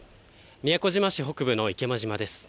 宮古島市北部の池間島です。